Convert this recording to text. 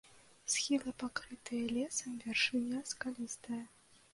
Схілы пакрытыя лесам, вяршыня скалістая.